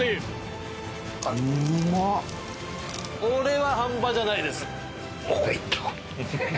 これは半端じゃないです。